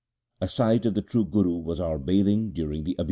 A sight of the true Guru was our bathing during the Abhijit.